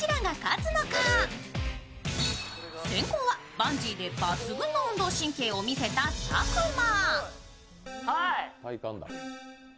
先攻はバンジーで抜群の運動神経を見せた佐久間。